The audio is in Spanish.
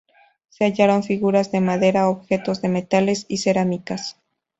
Se hallaron figuras de madera, objetos de metales y cerámicas.